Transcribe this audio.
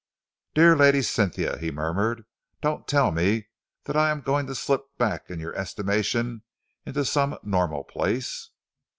"Dear Lady Cynthia," he murmured, "don't tell me that I am going to slip back in your estimation into some normal place."